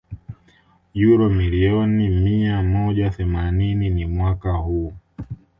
uro milioni mia moja themani ni Mwaka huu